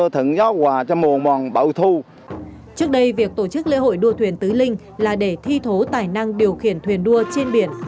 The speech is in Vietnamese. trước đây việc tổ chức lễ hội đua thuyền tứ linh là để thi thố tài năng điều khiển thuyền đua trên biển